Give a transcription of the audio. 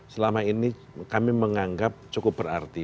selama ini kami menganggap cukup berarti